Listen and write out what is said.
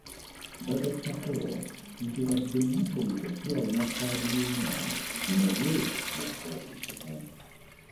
Bagattako nti wadde Nakayiza si y'alina kkaadi ya Eno, naye yakola buli kimu